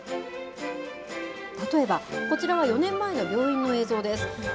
例えば、こちらは４年前の病院の映像です。